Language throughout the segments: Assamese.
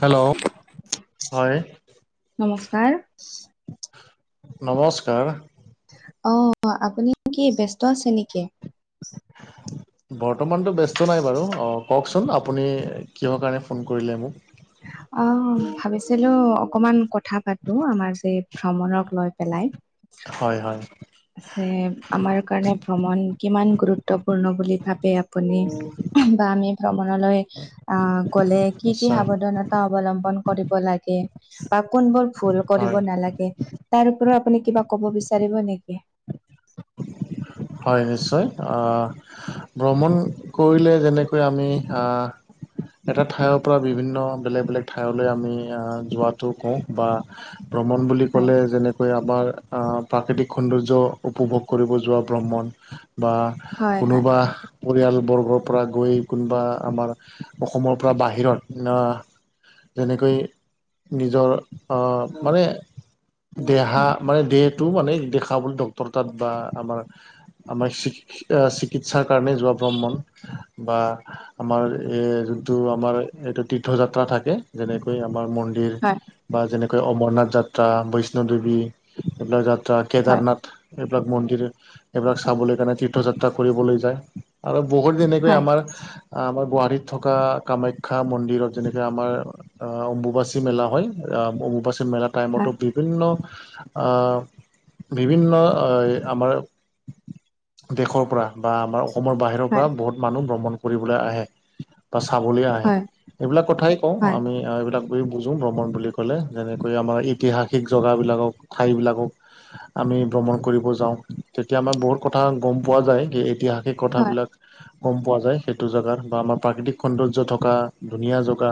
হেল্ল' হয় নমস্কাৰ। নমস্কাৰ। অ আপুনি কি ব্যস্ত আছে নেকি? বৰ্তমানতো ব্যস্ত নাই বাৰু অ কওঁকচোন আপুনি কিহৰ কাৰণে ফোন কৰিলে মোক? অ ভাবিছিলো অকমান কথা পাতো আমাৰ যে ভ্ৰমণক লৈ পেলাই। হয় হয়। আছে আমাৰ কাৰণে ভ্ৰমণ কিমান গুৰুত্বপূৰ্ণ বুলি ভাবে আ আপুনি? বা আমি ভ্ৰমণলৈ আহ গ'লে কি কি নিশ্চয় সাৱধানত অৱলম্বন কৰিব লাগে বা কোনবোৰ ভুল কৰিব হয় নালাগে। তাৰ ওপৰত আপুনি কিবা ক'ব বিচাৰিব নেকি? [inaudible] হয় নিশ্চয়। অ' ভ্ৰমণ কৰিলে যেনেকৈ আমি এটা ঠাইৰ পৰা বিভিন্ন বেলেগ বেলেগ ঠাইলৈ আমি যোৱাটো কওঁ- বা ভ্ৰমণ বুলি হয়, ক'লে যেনেকৈ আমাৰ প্ৰাকৃতিক সৌন্দৰ্য উপভোগ কৰিব যোৱা ভ্ৰমণ বা হয়, হয়, কোনোবা পৰিয়ালবৰ্গৰ পৰা গৈ কোনোবা আমাৰ অসমৰ পৰা বাহিৰত যেনেকৈ নিজৰ অ' মানে দেহা মানে দেহটো মানে দেখাবলৈ ড ক্তৰ তাত বা আমাৰ আমাৰ চি-চিকিৎসাৰ কাৰণে যোৱা ভ্ৰমণ বা- আমাৰ এ যোনটো আমাৰ এইটো তীৰ্থযাত্ৰা থাকে যেনেকৈ আমাৰ মন্দিৰ- হয়, দিৰ বা যেনেকৈ অমৰনাথ যাত্ৰা, বৈষ্ণদেৱী এইবিলাক যা [inaudible] হয়, কেদাৰনাথ এইবিলাক মন্দিৰ এইবিলাক চাবলৈ কাৰণে তীৰ্থযাত্ৰা- ফুৰিবলৈ যায় আৰু বহুত তেনেকৈ হয়, আমাৰ- আমাৰ গুৱাহাটীত থকা কামাখ্যা মন্দিৰত যেনেকে আমাৰ- আহ' অম্বুবাচী মেলা হয় আ অম্বুবাচী- মেলা টাইমতো হয়, বিভিন্ন আ' বিভিন্ন- অঁ' আমাৰ দেশৰ পৰা বা আমাৰ অসমৰ বাহিৰৰ পৰা হয়, বহুত- মানুহ ভ্ৰমণ কৰিবলৈ আহে বা চাবলৈ আহে। হয়, এইবিলাক কথাই কওঁ হয়, আমি এইবিলাক- বুলি বুজোঁ ভ্ৰমণ বুলি ক'লে যেনেকৈ আমাৰ ইতিহাসিক জগাবিলাকক ঠাইবিলাকক- আমি- ভ্ৰমণ কৰিব যাওঁ তেতিয়া আমাৰ বহুত কথা গম পোৱা যায় যে ইতিহাসিক হয়, হয়, কথাবিলাক- গম পোৱা যায় সেইটো জেগাত বা আমাৰ প্ৰাকৃতিক সৌন্দৰ্য থকা ধুনীয়া জগা।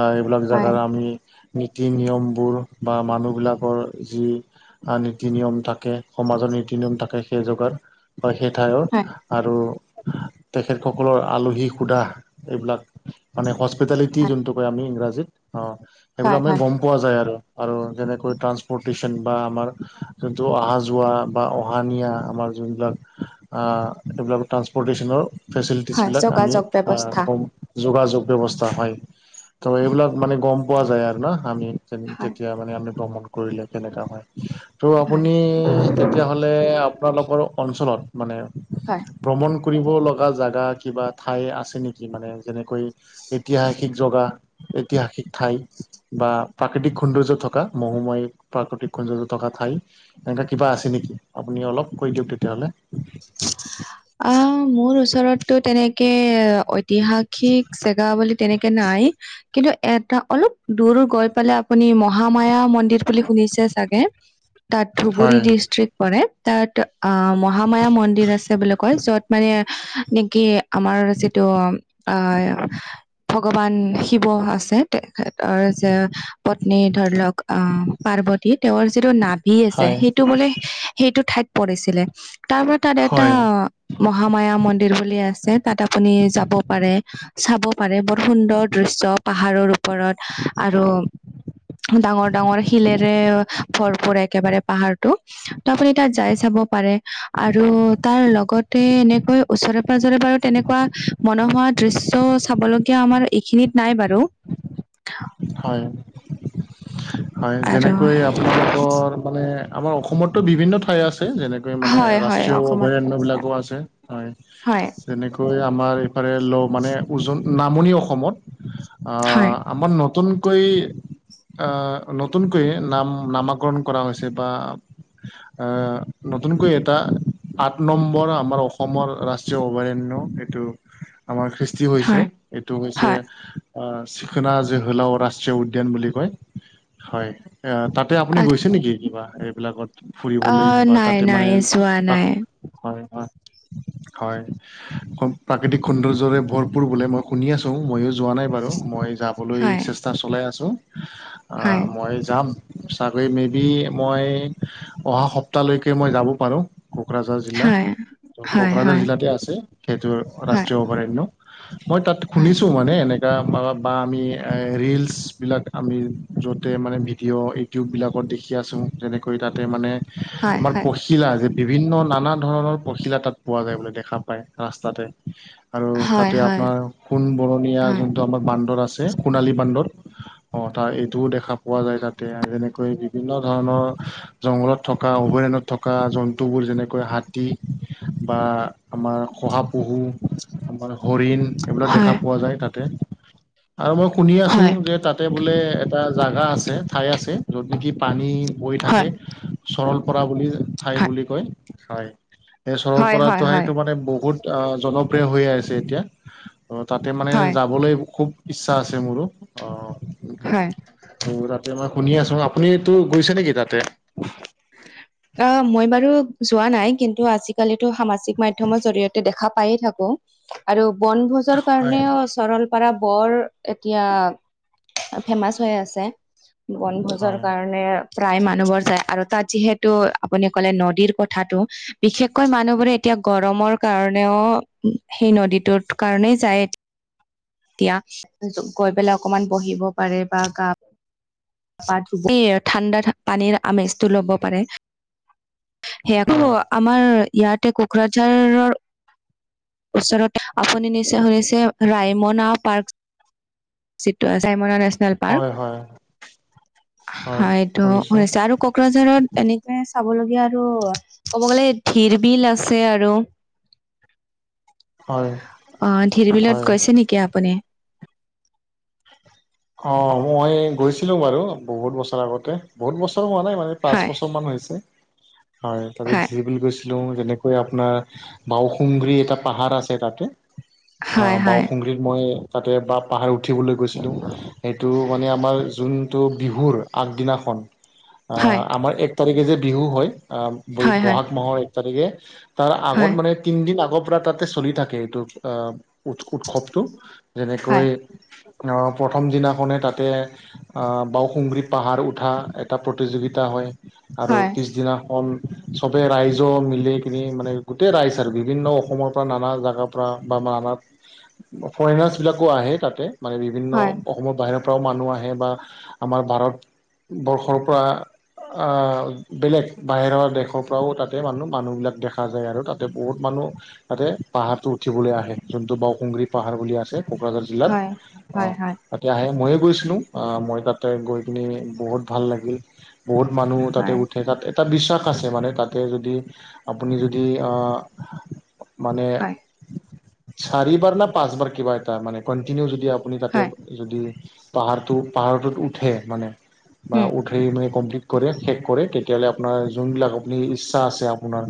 আহ' এইবিলাক হয়, জাগাৰ আমি- নীতি নিয়মবোৰ বা মানুহবিলাকৰ যি নীতি নিয়ম- থাকে সমাজৰ নীতি নিয়ম থাকে সেই যোগাৰ বা সেই ঠাইৰ- হয়। আৰু তেখেতসকলৰ আলহী সুধা এইবিলাক- মানে হস্পিটেলিটি হয়, যোনটো কয় আমি ইংৰাজীত অঁ' হয়, সেইবিলাক আমি হয়। গম পোৱা যায় আৰু আৰু যেনেকৈ ট্ৰান্সস্পৰ্তেচন বা আমাৰ- যোনটো অহা যোৱা বা অহা নিয়া আমাৰ যোনবিলাক- আহ' এইবিলাক ট্ৰান্সপৰ্টেশ্যনৰ- হয় ফেচিলিটিছবিলাক আমি যোগাযোগ ব্যৱস্থা আ' কম যোগাযোগ ব্যৱস্থা হয়। ত' এইবিলাক মানে গম পোৱা যায় আৰু ন আমি যে হয় যেতিয়া- মানে আমি ভ্ৰমণ কৰিলে কেনেকা হয়। ত ' হয় আপুনি তেতিয়া হ'লে - হ'লে আপোনালোকৰ অঞ্চলত মানে- হয়। ভ্ৰমণ কৰিব লগা জাগা কিবা ঠাই আছে নেকি মানে যেনেকৈ ইতিহাসিক- যেগা, ইতিহাসিক ঠাই- বা প্ৰাকৃতিক সৌন্দৰ্য থকা মহুময় প্ৰাকৃতিক সৌন্দৰ্য থকা- ঠাই এনেকা কিবা আছে নেকি, আপুনি অলপ কৈ দিয়ক তেতিয়া হ'লে? আহ' মোৰ ওচৰতটো তেনেকে- কে ঐতিহাসিক জেগা বুলি তেনেকে নাই। কিন্তু এটা অলপ দূৰ গৈ পেলাই আপুনি মহামায়া মন্দিৰ- বুলি শুনিছে চাগে তাত ধুবুৰী হয় ডিষ্ট্ৰিক্ট পৰে তাত আহ' মহা মায়া মন্দিৰ আছে বুলি কয় য'ত মানে নেকি আমাৰ যিটো উমঁ' অ হয়। ভগৱান শিৱ আছে তেখেতৰ যে পত্নী ধৰি লওক অ পাৰ্বতী তেওঁৰ যিটো নাট ভি আছে হয় সেইটো বোলে সেইটো ঠাইত পৰিছিলে তাৰ পৰা তাত এটা হয় মহামায়া মন্দিৰ বুলি আছে তাত আপুনি যাব পাৰে। চাব পাৰে বৰ সুন্দৰ দৃশ্য পাহাৰৰ ওপ ওপৰত আৰু ডাঙৰ ডাঙৰ শিলেৰে ভৰপূৰ একেবাৰে। পাহাৰটো ত' আপুনি তাত যাই চাব পাৰে। আৰু তাৰ লগতে এনেকৈ ওচৰে পাজৰে বাৰু তেনেকুৱা মনোহোৱা দৃশ্য চাবলগীয়া আমাৰ এইখিনিত নাই বাৰু। হয় হয় আৰু যেনেকৈ আপোনালোকৰ মানে আমাৰ অসমতো বিভিন্ন ঠাই আছে যেনে মানে হয় হয় ৰাষ্ট্ৰীয় অসমত অভয়াৰণ্য বিলাকো আছে হয়। হয় তেনে আমাৰ এইফালে ল মানে ওজনী নামনি অসমত। হয় আমাৰ নতুনকৈ আহ নতুনকৈয়ে নাম নামাকৰণ কৰা হৈছে বা [inaudible] নতুনকৈ এটা আঠ নম্বৰ আমাৰ অসমৰ ৰাষ্ট্ৰীয় অভয়াৰণ্য এইটো। [unintelligible] আমাৰ খ্ৰীষ্টি হৈছে হয় এইটো হৈছে হয় [inaudible] ৰাষ্ট্ৰীয় উদ্যান বুলি কয় হয়। এ তাতে আপুনি গৈছে নেকি কিবা এইবিলাকত অ ফুৰিবলৈ বা নাই তাতে? নাই যোৱা নাই হয়, হয়, হয়। প্ৰাকৃতিক সৌন্দৰ্যৰে ভৰপূৰ বোলে। মই শুনি আছো মইও যোৱা নাই বাৰু। মই যাবলৈ হয় চেষ্টা চলাই আছোঁ। আ হয় মই যাম। চাগৈ মেবি মই অহা সপ্তাহ লৈকে মই যাব পাৰো কোকৰাঝাৰ। জিলা হয় ত হয় কোকৰাঝাৰ হয় জিলাতে আছে সেইটো হয় ৰাষ্ট্ৰীয় অভয়াৰণ্য। মই তাত হয় শুনিছো মানে এনেকা বা আমি ৰিলচ বিলাক আমি য'তে মানে ভিডিঅ' ইউটিউব বিলাকত দেখি আছোঁ। যেনেকৈ তাতে মানে হয় আমাৰ হয় পখিলা যে বিভিন্ন নানা ধৰণৰ পখিলা তাত পোৱা যায় বা দেখা পায় ৰাস্তাতে। আৰু হয় তাতে হয় আপোনাৰ সোণ বৰণীয়া হয় যোনটো আমাৰ বান্দৰ আছে সোণালী বান্দৰ। অ তাৰ এইটোও দেখা পোৱা যায়। তাতে যেনেকৈ বিভিন্ন ধৰণৰ জংঘলত থকা অভায়াৰণ্যত থকা জন্তুবোৰ যেনেকৈ হাতী বা আমাৰ শহাপহু আমাৰ হৰিণ এইবিলাক হয় দেখা পোৱা যায় তাতে। আৰু মই শুনি আছো। হয় যে তাতে বোলে এটা জাগা আছে ঠাই আছে যত নেকি পানী বৈ হয় থাকে। হয় চৰল পৰা বুলি ঠাই বুলি কয় হয়। এই চৰল হয় হয় পৰাটো হয় ঠাই মানে বহুত আহ জনপ্ৰিয় হৈয়ে আছে এতিয়া। অহ, তাতে মানে হয়, যাবলৈ খুব ইচ্ছা আছে মোৰো অহ। হয়। ত তাতে মই শুনি আছো আপুনি তো গৈছে নেকি তাতে? [unintelligible] অহ, মই বাৰু যোৱা নাই। কিন্তু আজিকালিতো সামাজিক মাধ্যমৰ জৰি়য়তে দেখা পায়ে থাকো। আৰু বনভোজৰ হয় কাৰণেও চৰলপাৰা বৰ এতিয়া ফেমাচ হৈ আছে। বনভোজৰ হয় কাৰণে প্ৰায় মানুহবোৰ যায় আৰু তাত যিহেতু আপুনি কলে নদীৰ কথাটো বিশেষকৈ মানুহবোৰে এতিয়া গৰমৰ কাৰণেও, সেই নদীটোত কাৰণেই যায় এতিয়া এতিয়া গৈ পেলাই অকমান বহিব পাৰে বা গা [unintelligible] ঠাণ্ডা-ণ্ডা পানীৰ আমেজটো ল'ব পাৰে। সেয়াটো হয় আমাৰ ইয়াতে কোকৰাঝাৰৰ ওচৰতে আপুনি নিশ্চয় শুনিছে ৰায়মনা পাৰ্ক চাইমনা নেচনেল হয় পাৰ্ক, হয় হয় এইটো শুনিছে আৰু কক কোকৰাঝাৰত এনেকে চাবলগীয়া আৰু ক'ব গ'লে ধিৰ বিল আছে আৰু হয় অ' ধিৰ বিলত হয় গৈছে নেকি আপুনি? অ' মই গৈছিলো বাৰু, বহুত বছৰ আগতে বহুত বছৰ হোৱা নাই ইমান। পাঁচ হয় বছৰ মান হৈছে, হয় তাতে ধিৰ বিল গৈছিলো মই বেলেগ আপোনাৰ বাওসুংগী এটা পাহাৰ আছে তাতে, হয় আ' হয় বাওসুংগী মই তাতে বা পাহাৰ উঠিবলৈ গৈছিলোঁ। তো মানে আমাৰ যোনটো বিহুৰ আগদিনাখন অ' হয় আমাৰ এক এক তাৰিখে যে বিহু হয়, অ' বৈ' হয় হয় বহাগ মাহৰ এক তাৰিখে তাৰ আগত হয় মানে তিনদিন আগৰ পৰা তাতে চলি থাকে, এইটো আ' উৎসৱটো যেনেকৈ হয় অ' প্ৰথম দিনাখনে তাতে অ' বাওসুংগী পাহাৰ উঠা, এটা প্ৰতিযোগিতা হয় আৰু হয় পিছদিনাখন চবে ৰাইজ মিলি কিনি মানে গোটেই ৰাইজ আৰু বিভিন্ন অসমৰ পৰা নানা জাগা থোৱা বা মাৰাত সৌন্যাস বিলাকো আহে তাতে মানে বিভিন্ন হয় অসমৰ বাহিৰৰ পৰাও মানুহ আহে বা আমাৰ ভাৰতবৰ্ষৰ পৰা আ' বেলেগ বাহিৰৰ দেশৰ পৰাও তাতে মানুহ, মানুহবিলাক দেখা যায় আৰু তাতে বহুত মানুহ তাতে পাহাৰটো উঠিবলৈ আহে যোনটো বাওসুংগী পাহাৰ বুলি আছে কোকৰাঝাৰ হয় জিলাত হয় অ' হয় তাতে আহে, ময়ো গৈছিলোঁ অ' মই তাতে গৈ কিনি বহুত ভাল লাগিল বহুত মানুহ তাতে উঠে তাত এটা বিশ্বাস আছে মানে, তাতে যদি আপুনি যদি আ' মানে, হয় হয় চাৰিবাৰ নে পাঁছবাৰ কিবা এটা মানে কণ্টিনিও যদি আপুনি তাতে হয় যদি পাহাৰটো, পাহাৰটোত উঠে মানে বা উম উঠে মানে কমপ্লিট কৰে শেক কৰে তে তেতিয়াহ'লে আপোনাৰ যোনবিলাক আপুনি ইচ্ছা আছে আপোনাৰ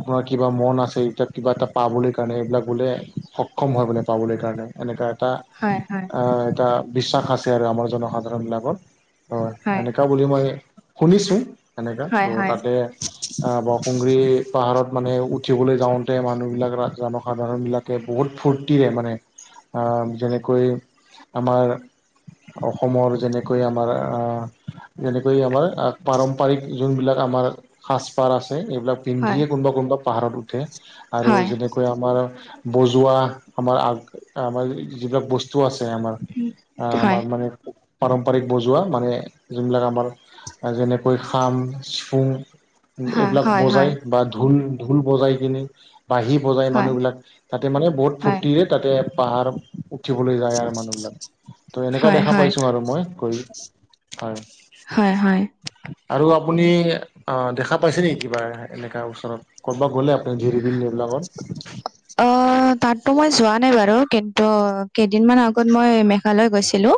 আপোনাৰ কিবা মন আছে, এতিয়া কিবা এটা পাবলৈ কাৰণে এইবিলাক বোলে সক্ষম হয় বোলে পাবলৈ কাৰণে। এনেকা এটা হয়, হয়। অ' এটা বিশ্বাস আছে আৰু আমাৰ জনসাধাৰণ বিলাকত অ' হয় এনে কা বুলি মই শুনিছোঁ এনেকা, ত, হয় হয় তাতে অ' বৰসুংগৰি পাহাৰত মানে উঠিবলৈ যাওঁতে, মানুহ বিলাক, জনসাধাৰণ বিলাক বহুত ফূৰ্তিৰে মানে আ' যেনেকৈ আমাৰ অসমৰ যেনেকৈ আমাৰ আ' যেনেকৈ আমাৰ আ' পাৰম্পৰিক যোনবিলাক আমাৰ সাজ পাৰ আছে এইবিলাক হয় পিন্ধিয়ে কোনোবা, কোনোবা পাহাৰত উঠে আৰু হয় যেনে কৈ' আমাৰ বজোৱা আমাৰ আগ আমাৰ যিবিলাক বস্তু আছে আমাৰ আ' হয় আমাৰ মান পাৰম্পাৰক বজোৱা মানে যোনবিলাক আমাৰ যেনেকৈ খাং, ফুং হয় এইবিলাক হয় হয় বজাই বা ঢোল ঢোল বজাই কিনে বাঢ়ি বজায় হয় মানুহবিলাক তাতে মানে বহুত হয় ফূৰ্তিৰে তাতে পাহাৰ উঠি দিবলৈ যায় আৰু মানুহ বিলাক, ত এনেকা কৰে হয় দেখা হয় পাইছো আৰু মই কৰি হয়। আৰু আপুনি অ দেখা পাইছে নেকি কিবা? এনেকুৱা ওচৰত ক'ৰবাত গ'লে আপুনি দিৰিবিল এইবিলাক'ত? অ' অ তাতো মই যোৱা নাই বাৰু কিন্তু কেইদিনমান আগত মই মেঘালয় গৈছিলো।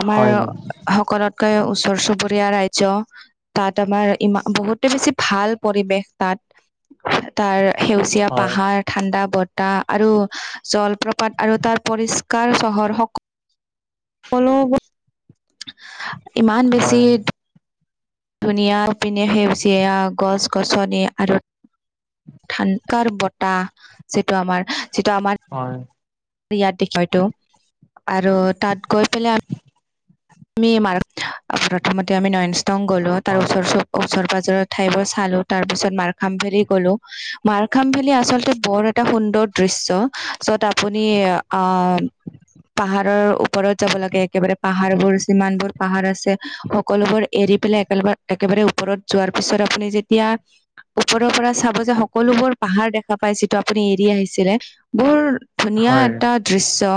আমাৰ হয় ন সকলোতকৈ ওচৰ-চুবুৰীয়া ৰাজ্য তাত আমাৰ ইমান বহুতে বেছি ভাল পৰিৱেশ তাত, তাৰ সেউজীয়া হয় পাহাৰ, ঠাণ্ডা বটাহ আৰু জলপ্ৰপাত আৰু তাৰ পৰিষ্কাৰ চহৰ স সকলো ইমান বেছি হয় ধুনীয়া সিপিনে সেউজিয়ীয়া গছ-গছনি আৰু ঠানকাৰ বতাহ যিটো আমাৰ যিটো আমাৰ হয়। ইয়াত [unintelligible] আৰু তাত গৈ পেলাই আমি আমিমাৰ প্ৰথমতে আমি নয়নষ্টং গ'লো তাৰ হয় ওচৰ চব ওচৰ-পাজৰ ঠাইব চালো, তাৰ পিছত মাৰখাম ফেৰি গলো মাৰখাম ভেলী আচলতে বৰ এটা সুন্দৰ দৃশ্য য'ত আপুনি আহ পাহাৰৰ ওপৰত যাব লাগে একেবাৰে পাহাৰবোৰ যিমানবোৰ পাহাৰ আছে, সকলোবোৰ এৰি পেলাই একেলবাৰে একেবাৰে ওপৰত যোৱাৰ পিছত আপুনি যেতিয়া ওপৰৰ পৰা চাব যে সকলোবোৰ পাহাৰ দেখা পায় যিটো আপুনি এৰি আহিছিলে বোৰ ধুনীয়া হয় এটা দৃশ্য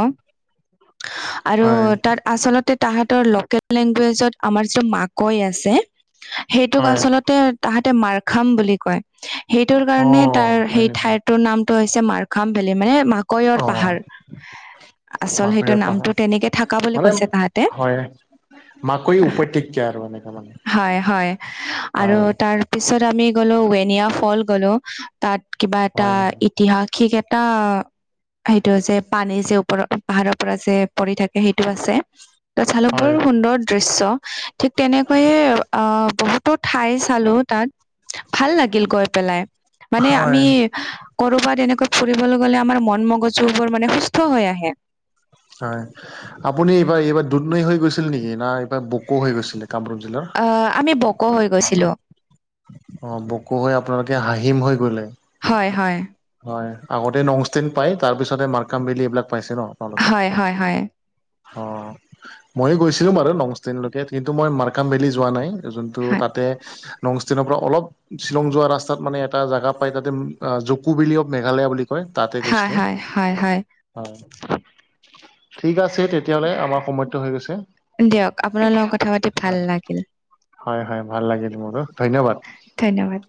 আৰু হয় তাত আচলতে তাহাঁত তোৰ লোকেল লেংগুৱেজত আমাৰ যিটো মাকৈ আছে সেইটোক হয় আচলতে তাহাঁতে মাৰখাম বুলি কয়। সেইটোৰ অ কাৰণে তাৰ হয় সেই নেকি ঠাইটোৰ নাম টো হৈছে মাৰখাম ভেলী মানে অ মাকৈৰ পাহাৰ। আচল মাকৈ সেইটো পাহাৰ নামটো তেনেকে থাকা বুলি মানে কৈছে তাহাঁতে হয় মাকৈ উপত্যকা আৰু এনেকা মানে হয় হয় আৰু হয় তাৰ পিছত আমি গ'লো ৱেনিয়া ফল গ'লো তাত কিবা এটা হয় ঐতিহাসিক এটা সেইটো যে পানী যে ওপৰত পাহাৰৰ পৰা যে পৰি থাকে সেইটো আছে। ত চালো হয় বৰ সুন্দৰ দৃশ্য। ঠিক তেনেকৈয়ে আহ বহুতো ঠাই চালো তাত ভাল লাগিল গৈ পেলাই, মানে হয় আমি কৰবাত এনেকৈ ফুৰিবলৈ গ'লে আমাৰ মন মগজুবোৰ মানে সুস্থ হৈ আহে। হয় আপ আপুনি এইবাৰ এইবাৰ দুদনৈ হৈ গৈছিল নেকি? না এইবাৰ বোকো হৈ গৈছিলে কামৰূপ জিলাৰ? অ আমি বক হৈ গৈছিলো। অ বক হৈ আপোনালোকে হাহিম হৈ গ'লে? হয় হয়। হয় আগতে নংষ্টেন পাই তাৰপিছতে মাৰকাম ভেলি এইবিলাক পাইছে ন আপোনালোকে? হয় হয় হয় অ ময়ো গৈছিলো বাৰু নংষ্টেনলৈকে কিন্তু মই মাৰ্কাম ভেলি যোৱা নাই। যোনটো হয় তাতে নংষ্টেনৰ পৰা অলপ শ্বিলং যোৱা ৰাস্তাত মানে এটা জাগা পায় তাতে জকুভেলি অফ মেঘালয়া বুলি কয় তাতে হয় গৈছিলো। হয় হয় হয় হয় ঠিক আছে তেতিয়াহ'লে আমাৰ সময়টো হৈ গৈছে হয়, দিয়ক আপোনাৰ লগত কথা পাতি ভাল লাগিল হয়, হয়, ভাল লাগিল মোৰো, ধন্যবাদ। ধন্যবাদ।